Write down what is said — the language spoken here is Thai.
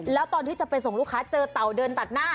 แล้วตอนที่จะไปส่งลูกค้าเจอเต่าเดินตัดหน้า